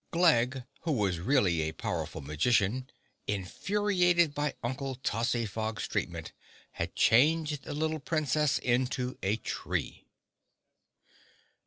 Glegg, who was really a powerful magician, infuriated by Uncle Tozzyfog's treatment, had changed the little Princess into a tree.